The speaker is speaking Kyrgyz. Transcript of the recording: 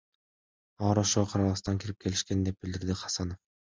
Алар ошого карабастан кирип келишкен, — деп билдирди Хасанов.